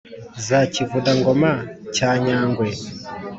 za kivuna-ngoma cya nyangwe